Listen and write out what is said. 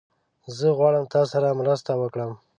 زه غواړم تاسره مرسته وکړم